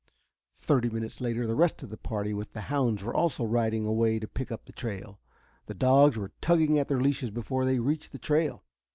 Thirty minutes later the rest of the party with the hounds were also riding away to pick up the trail. The dogs were tugging at their leashes before they reached the trail.